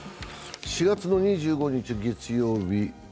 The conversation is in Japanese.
４月２５日、月曜日。